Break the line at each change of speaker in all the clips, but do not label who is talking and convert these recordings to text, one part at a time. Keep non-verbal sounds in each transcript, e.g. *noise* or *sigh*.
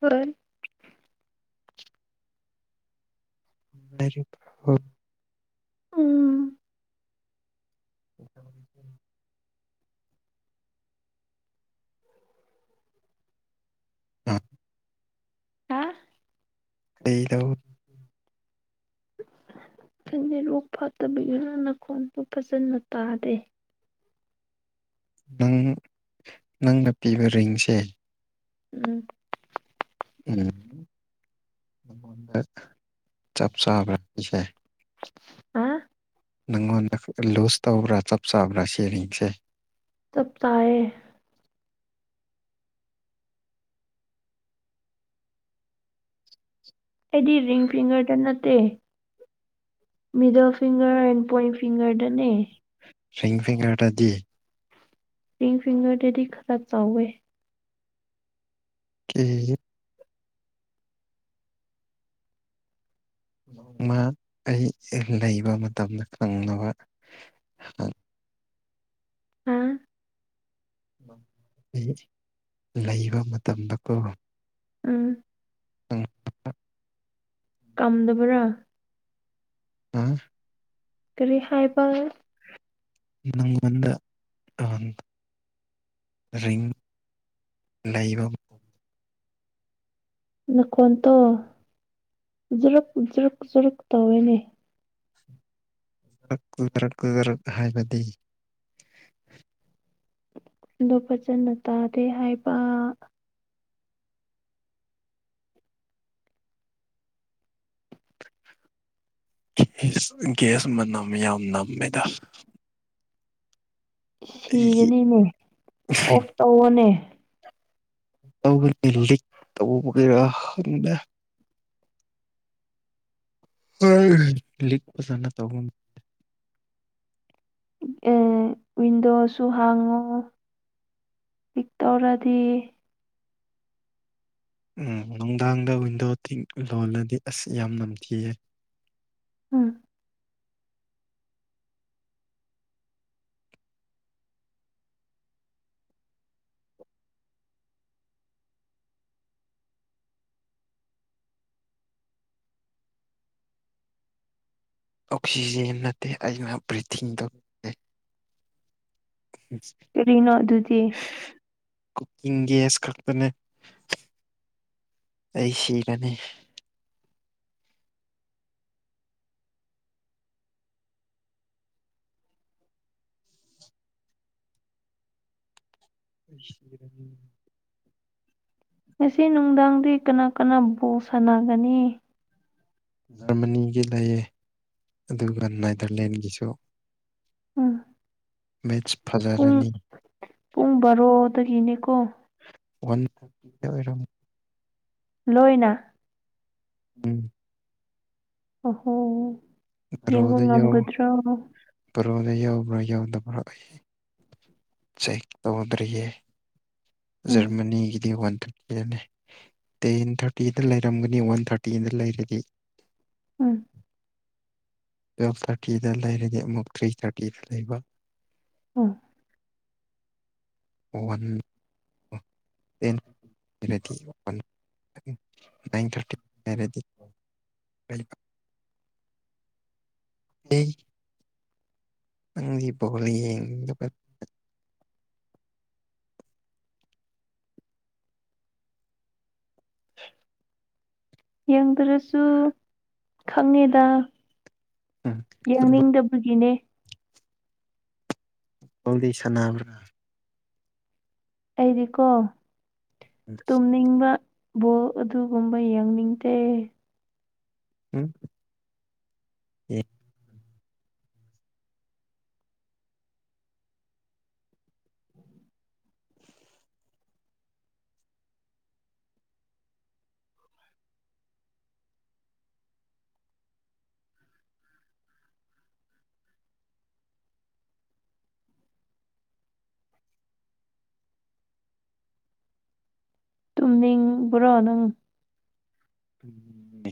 ꯍꯣꯏ
ꯃꯦꯔ ꯄꯔ ꯍ
ꯎꯝ
*inaudible* ꯑꯝ ꯂꯩꯗ *inaudible*
ꯊꯟꯗꯦꯔꯣꯛ ꯐꯥꯠꯇꯕꯤꯒꯤꯔ ꯅꯥꯈꯣꯟꯗꯨ ꯐꯖꯅ ꯇꯥꯗꯦ
ꯅꯪ ꯅꯪꯅ ꯄꯤꯕ ꯔꯤꯡꯁꯦ
ꯎꯝ
ꯎ ꯆꯞꯆꯥꯥ
ꯑ
ꯅꯪꯉꯣꯟꯗ ꯂꯨꯖ ꯇꯧꯕ꯭ꯔꯥ ꯆꯞ ꯆꯥꯕ꯭ꯔꯥ ꯁꯦꯔꯤꯡꯁꯦ
ꯇꯞꯇꯥꯑ ꯑꯦꯗꯤ ꯔꯤꯡ ꯐꯤꯒꯔꯇ ꯅꯠꯇꯦ ꯃꯤꯗꯜ ꯐꯤꯤꯡꯒꯔ ꯑꯦꯟ ꯄꯣꯏꯟ ꯐꯤꯡꯒꯔꯗꯅꯦ
ꯁ꯭ꯋ ꯐꯤꯒꯔꯗꯤ
ꯔꯤꯡ ꯐꯤꯡꯒꯔ ꯗꯗꯤ ꯈꯔ ꯇꯎꯦ
ꯀ ꯅꯣꯡꯃ ꯑꯩ ꯂꯩꯕ ꯃꯇꯝꯗ ꯈꯪꯅꯕ ꯎ
ꯑ
ꯑꯩ ꯂꯩꯕ ꯃꯇꯝꯗꯀꯣ
ꯎꯝ
ꯎꯝ
ꯀꯝꯗꯕꯔꯥ
ꯑ
ꯀꯔꯤ ꯍꯥꯏꯕ
ꯅꯪꯪ ꯃꯅꯨꯡꯗꯗ ꯑ ꯔꯤꯡ ꯂꯩꯕ
ꯅꯈꯣꯟꯇꯣ ꯖꯔꯛ ꯖꯔꯨꯛ ꯖꯔꯛ ꯇꯧꯋꯦꯅꯦ
ꯀꯛ ꯀꯨꯗꯔꯛ ꯀꯨꯗꯔꯛ ꯍꯥꯏꯕꯗꯤ
ꯗꯣ ꯐꯖꯅ ꯇꯥꯗꯦ ꯍꯥꯏꯕ
ꯦ ꯦꯁ ꯃꯅꯥꯝ ꯌꯥꯝ ꯅꯝꯃꯦꯗ ꯑꯩꯒꯤ
ꯁꯤꯒꯅꯤꯅꯦ ꯑꯣꯐ ꯇꯧꯔꯅꯦ
ꯜꯂꯤ ꯇꯧꯕꯔꯟꯅ ꯍ ꯂꯤꯛꯄꯁꯅ ꯇꯒꯦ
ꯑꯦ ꯋꯤꯟꯗꯣꯁꯨ ꯍꯥꯡꯉꯣ ꯄꯤꯛ ꯇꯧꯔꯗꯤ
ꯎꯝ ꯅꯨꯡꯗꯥꯡꯗ ꯋꯤꯟꯗꯣ ꯇꯤꯡ ꯂꯣꯜꯂꯗꯤ ꯑꯁ ꯌꯥꯝ ꯅꯝꯊꯤꯌꯦ
ꯎꯝ
ꯑꯣꯛꯁꯖꯦꯟ ꯅꯇꯩ ꯑꯨ ꯭ꯔꯤꯊꯤꯤꯡ ꯗ
ꯀꯔꯤꯅꯣ ꯑꯗꯨꯗꯤ
ꯀꯨꯀꯤꯡ ꯒꯦꯁ ꯈꯛꯇꯅꯦ ꯑꯩ ꯁꯤ ꯀꯅꯤ ꯀꯔꯅꯤ
ꯉꯁꯤ ꯅꯨꯡꯗꯥꯡꯗꯤ ꯀꯅꯥ ꯀꯅꯥꯕꯨ ꯁꯥꯟꯅꯒꯅꯤ
ꯖꯔꯃꯅꯤꯒꯤ ꯂꯩꯌꯦ ꯑꯗꯨꯒ ꯅꯥꯏꯗꯔꯂꯦꯟꯒꯤꯁꯨ
ꯎꯝ
ꯃꯦꯆ ꯐꯖꯥꯔꯥꯅꯤ
ꯗ ꯀꯅꯤꯀꯣ
ꯋꯥꯟ ꯑꯣꯏꯔꯝ
ꯂꯣꯏꯅ
ꯎꯝ
ꯑꯍꯣ ꯌꯦꯡꯕ ꯉꯝꯒꯗ꯭ꯔꯣ
ꯔꯣꯗ ꯌꯥꯎꯕ꯭ꯔꯥ ꯌꯥꯎꯗꯕ꯭ꯔꯥ ꯑꯩ ꯆꯦꯛ ꯇꯧꯗ꯭ꯔꯤꯌꯦ
ꯎꯝ
ꯖꯔꯃꯅꯤꯒꯤꯗꯤ ꯋꯥꯟ ꯇ ꯇꯦꯟ ꯊꯥꯔꯇꯤꯗ ꯂꯩꯔꯝꯒꯅꯤ ꯋꯥꯟ ꯊꯥꯔꯇꯤꯗ ꯂꯩꯔꯗꯤ
ꯎꯝ
ꯇꯨꯌꯦꯜꯐ ꯊꯥꯔꯇꯤꯗ ꯂꯩꯔꯗꯤ ꯑꯃꯨꯛ ꯊ꯭ꯔꯤ ꯊꯥꯔꯇꯤꯗ ꯂꯩꯕ
ꯍ
ꯋꯥꯟ ꯇ ꯔꯦꯗꯤ ꯏꯟ ꯊꯥꯔꯇꯤ ꯔꯦꯗꯤ ꯀ ꯎꯝ ꯑꯪ ꯄꯣꯜꯂꯤꯌꯦ
ꯌꯦꯡꯗ꯭ꯔꯁꯨ ꯈꯪꯉꯦꯗ
ꯎꯝ ꯐꯨꯠꯕꯣꯜ
ꯌꯥꯡꯅꯤꯡꯗꯕꯒꯤꯅꯦ
ꯀꯜꯗꯤ ꯁꯅꯥ꯭ꯔꯥ
ꯑꯩꯗꯤꯀꯣ ꯇꯨꯝꯅꯤꯡꯕ ꯕꯣꯜ ꯑꯗꯨꯒꯨꯝꯕ ꯌꯦꯡꯅꯤꯡꯗꯦ
ꯎꯝ ꯍ
ꯇꯨꯝꯅꯤꯡꯕ꯭ꯔꯣ ꯅꯪ
ꯎꯝ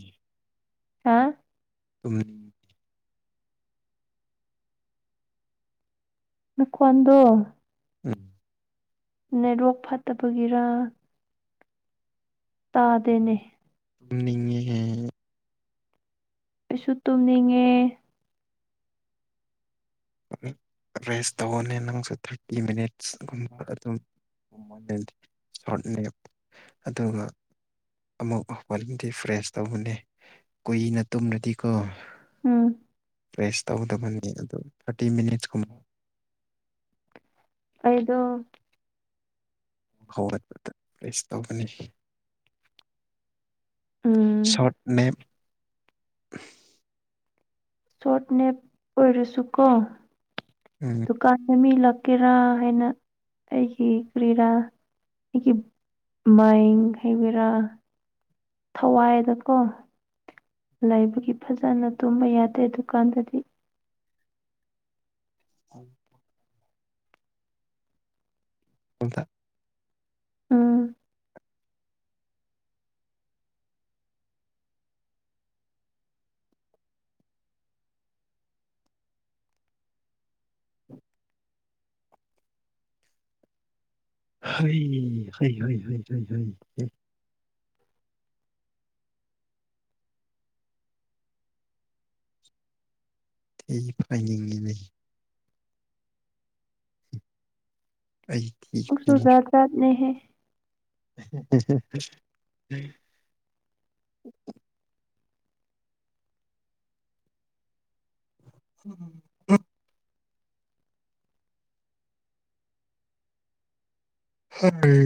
ꯍꯥ
ꯀꯃꯅꯤ
ꯀꯋꯥꯗꯨ
ꯎꯝ
ꯅꯦꯠꯋꯣꯛ ꯐꯠꯇꯕꯒꯤꯔ ꯇꯥꯗꯅꯦ
ꯉ
ꯀꯩꯁꯨ ꯇꯨꯝꯅꯤꯡꯉꯦ
ꯔꯦꯁ ꯇꯧꯧꯕꯅꯦ ꯅꯪꯁꯨꯦ ꯊꯥꯔꯇꯤ ꯃꯤꯅꯤꯠꯁꯀꯨꯝꯕ ꯑꯗꯨꯝ ꯁꯣꯔꯠꯅꯦꯞ ꯑꯗꯨꯒ ꯑꯃꯨꯛ ꯃꯗꯤ ꯐ꯭ꯔꯦꯁ ꯇꯧꯕꯅꯦ ꯀꯨꯏꯅ ꯇꯨꯝꯅꯗꯤꯀꯣ
ꯎꯝ
ꯄ꯭ꯔꯦꯁ ꯇꯧꯗꯕꯅꯤ ꯑꯗꯨꯣ ꯊꯥꯔꯇꯤ ꯃꯤꯅꯤꯠꯁꯀꯨꯝꯕ
ꯑꯩꯗ
ꯍꯧꯒꯠꯄꯗ ꯄ꯭ꯔꯦꯁ ꯇꯧꯒꯅꯤ
ꯎꯝ
ꯁꯣꯠꯅꯦ
ꯁꯣꯔꯠꯅꯦ ꯑꯣꯏꯔꯁꯨ ꯀꯣ ꯗꯨꯀꯥꯟꯗ ꯃꯤꯛ ꯀꯦꯔꯥ ꯍꯥꯏꯅ ꯑꯩꯒꯤ ꯀꯦꯔꯥ ꯑꯩꯒꯤ ꯃꯥꯏ ꯍꯥꯏꯕꯤꯔꯥ ꯊꯋꯥꯏꯗ ꯀꯣ ꯂꯩꯕꯒꯤ ꯐꯖꯅ ꯇꯨꯝꯕ ꯌꯥꯗꯦ ꯑꯗꯨꯀꯥꯟꯗꯗꯤ
ꯍꯝ ꯆꯜꯇ *inaudible*
ꯎꯝ
ꯍꯩꯍꯩꯍꯩꯍꯩꯍꯩꯍꯩ ꯑꯩ ꯐꯥꯏꯅꯤꯡꯏꯅꯦ ꯑꯩ ꯊꯤ
ꯎꯁꯨꯖꯥ
ꯐꯥꯏꯅꯤꯡꯉꯤ
ꯁꯥꯅꯦ ꯍꯥꯏ
*unintelligible* *unintelligible* ꯍꯥꯏ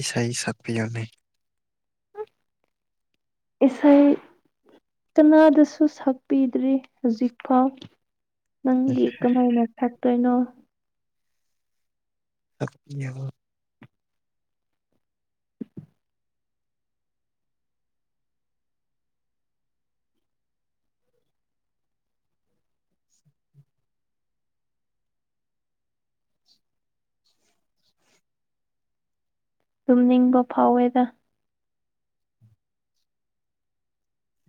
ꯏꯁꯩ ꯁꯛꯄꯤꯌꯅꯤ
ꯏꯁꯩ ꯀꯅꯥꯗꯁꯨ ꯁꯛꯄꯤꯗ꯭ꯔꯤ ꯍꯧꯖꯤꯛꯐꯥꯎ ꯅꯪꯒꯤ ꯀꯃꯥꯏꯅ ꯊꯥꯛꯇꯣꯏꯅꯣ
*inaudible*
ꯇꯨꯝꯅꯤꯡꯕ ꯐꯥꯎꯋꯦꯗ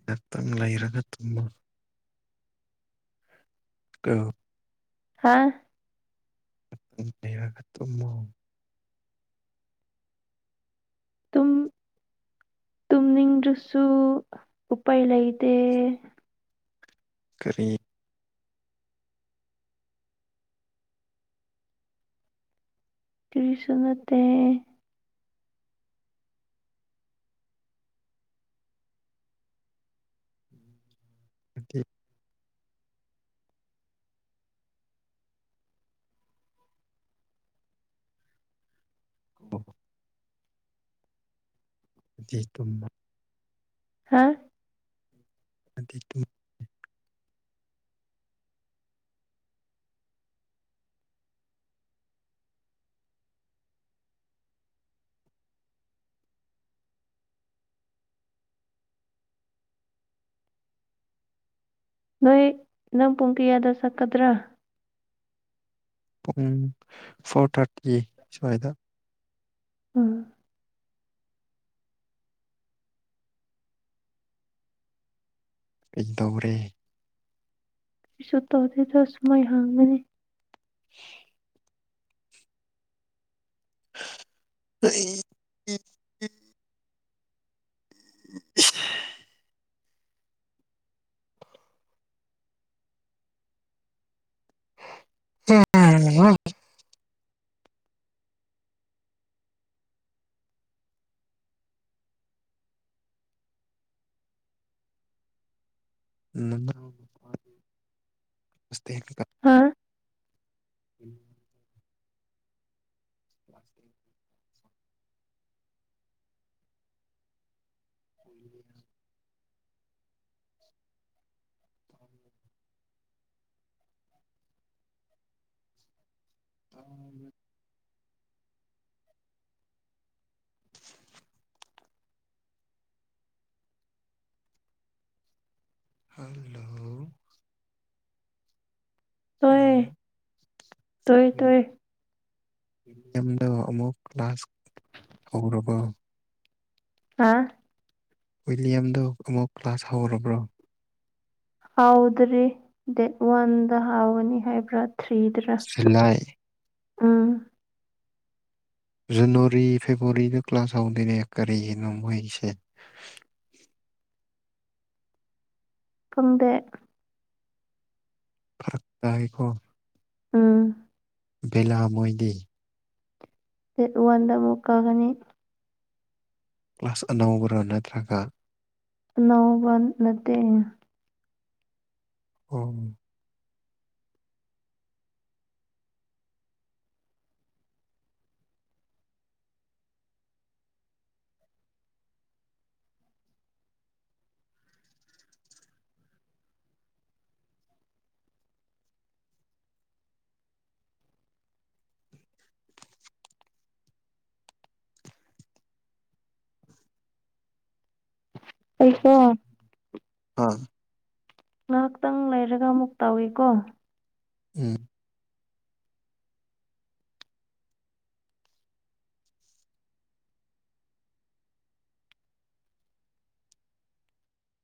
ꯔꯛꯇꯪ ꯂꯩꯔꯒ ꯇꯨꯝꯃꯣ ꯑꯥ
ꯍꯥꯥ
ꯒ ꯇꯨꯃꯣ
ꯇꯨꯝ ꯇꯨꯝꯅꯤꯡꯗꯔꯁꯨ ꯎꯄꯥꯏ ꯂꯩ ꯏ ꯇꯦ
ꯀꯥꯔꯤ
ꯀꯔꯤꯁꯨ ꯅꯠꯇꯦ
*unintelligible* ꯑꯣ ꯇꯨꯝꯃꯣ
ꯍꯥꯥ
ꯑꯗꯨꯗꯤ
ꯅꯣꯏ ꯅꯪ ꯄꯨꯡꯀꯤꯌꯥꯗ ꯁꯛꯀꯗ꯭ꯔꯥ
ꯄꯨꯡ ꯐꯣꯔ ꯊꯥꯔꯇꯤ ꯁꯋꯥꯏꯗ
ꯎꯝ
ꯀꯩ ꯗꯧꯔꯦ
ꯁꯨ ꯇꯧꯗꯗ ꯁꯨꯃꯥꯏ ꯍꯥꯡꯒꯅꯤ
*unintelligible* ꯑꯩ *unintelligible* *unintelligible* ꯑꯥꯍꯥ *unintelligible* ꯎ *inaudible*
ꯍꯥ
*unintelligible* ꯑꯣꯏꯣꯏꯅ *inaudible* ꯑ *inaudible* ꯍꯜꯂꯣ
ꯇꯣꯏ
ꯍꯜꯂꯣ
ꯇꯣꯏꯏ ꯇꯣꯏꯏ
ꯑꯗꯨꯣ ꯑꯃꯨꯛ ꯂꯥꯁ ꯍꯧꯔꯕ
ꯑ
ꯋꯤꯂꯤꯌꯝꯗꯨ ꯑꯃꯨꯛ ꯀ꯭ꯂꯥꯁ ꯍꯧꯔꯕ꯭ꯔꯥ
ꯍꯥꯎꯗ꯭ꯔꯤ ꯗꯦ ꯋꯥꯗ ꯍꯥꯎꯅꯤ ꯍꯥꯏꯕ꯭ꯔꯠ ꯊꯔꯤꯗ꯭ꯔ
ꯖꯨꯂꯥꯏ
ꯎꯝ
ꯖꯅꯋꯥꯔꯤ ꯐꯦꯕꯋꯥꯔꯤꯗ ꯀ꯭ꯂꯥꯁ ꯍꯧꯗꯣꯏꯔꯦ ꯀꯔꯤꯒꯤꯅꯣ ꯃꯣꯏꯁꯦ *inaudible*
ꯐꯪꯗꯦ
ꯐꯔꯛ ꯇꯀꯣ
ꯎꯝ
ꯕꯂꯥ ꯃꯣꯏꯗꯤꯦ
ꯋꯥꯗꯕꯨ ꯀꯒꯅꯤ
ꯀ꯭ꯂꯥꯁ ꯑꯅꯧꯕꯔ ꯅꯠꯇ꯭ꯔꯒ
ꯅ ꯋꯥꯟ ꯅꯠꯇ
ꯎ
ꯑꯩꯀꯣ
ꯑꯥ
ꯉꯥꯏꯍꯥꯛꯇꯪ ꯂꯩꯔꯒ ꯑꯃꯨꯛ ꯇꯧꯏꯀꯣ
ꯎꯝ